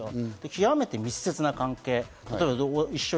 きわめて密接な関係。